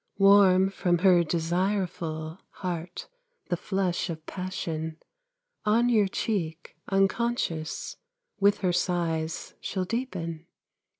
Warm from her desireful Heart the flush of passion On your cheek unconscious, With her sighs shall deepen.